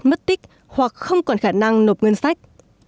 mất tích hoặc không còn khả năng nộp ngân sách